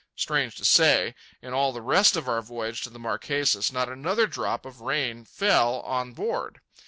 Strange to say, in all the rest of our voyage to the Marquesas not another drop of rain fell on board.